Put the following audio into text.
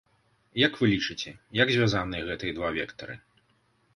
Як вы лічыце, як звязаныя гэтыя два вектары?